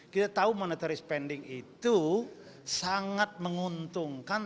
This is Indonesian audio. kita tahu monetary spending itu sangat menguntungkan